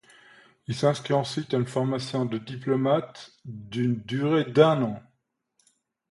Il s'inscrit ensuite à une formation de diplomate d'une durée d'un an.